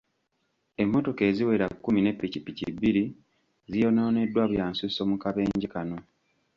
Emmotoka eziwera kkumi ne ppikipiki bbiri ziyonooneddwa byansusso mu kabenje kano.